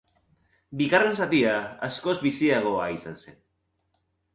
Bigarren zatia askoz biziagoa izan zen.